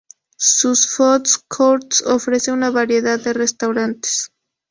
Sus food courts ofrece una variedad de restaurantes.